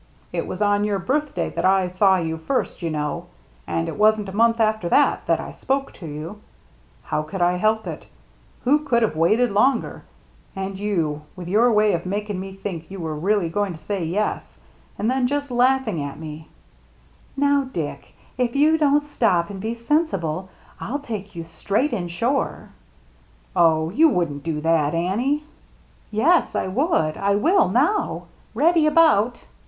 It was on your birthday that I saw you first, you know. And it wasn't a month after that that I spoke to you. How could I help it ? Who could have waited longer ? And you, with your way of making me think you were really going to say yes, and then just laughing at me." DICK AND HIS MERRT ANNE 37 "Now, Dick — if you don't stop and be sensible, I'll take you straight inshore." " Oh, you wouldn't do that, Annie ?"" Yes, I would. I will now. Ready about